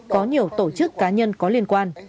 có nhiều tổ chức cá nhân có liên quan